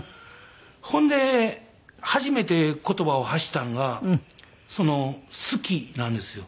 ほんで初めて言葉を発したんが「好き」なんですよ。